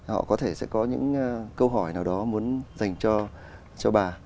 họ có thể sẽ có những câu hỏi nào đó muốn dành cho bà